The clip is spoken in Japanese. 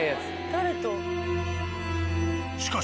誰と？